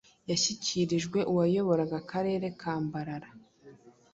Yashyikirijwe uwayoboraga Akarere ka Mbarara,